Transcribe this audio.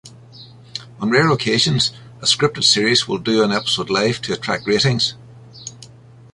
On rare occasions, a scripted series will do an episode live to attract ratings.